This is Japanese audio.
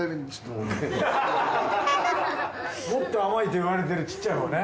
もっと甘いと言われてるちっちゃいほうね。